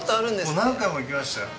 もう何回も行きましたよ。